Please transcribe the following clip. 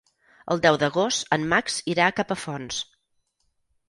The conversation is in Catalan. El deu d'agost en Max irà a Capafonts.